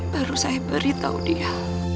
baru saya beritahu dia